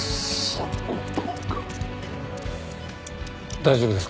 大丈夫ですか？